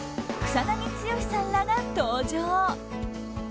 草なぎ剛さんらが登場。